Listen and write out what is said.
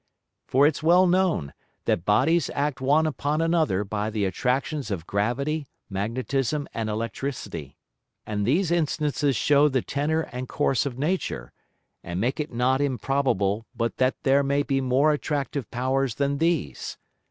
For it's well known, that Bodies act one upon another by the Attractions of Gravity, Magnetism, and Electricity; and these Instances shew the Tenor and Course of Nature, and make it not improbable but that there may be more attractive Powers than these.